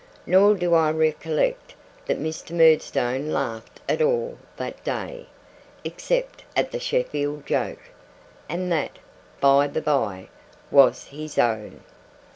Nor do I recollect that Mr. Murdstone laughed at all that day, except at the Sheffield joke and that, by the by, was his own.